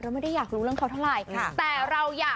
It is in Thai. แต่เราอยากรู้เรื่องเพื่อนสนิทของเธอมากว่า